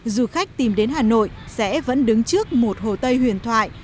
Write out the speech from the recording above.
du khách tìm đến hà nội sẽ vẫn đứng trước một hồ tây huyền thoại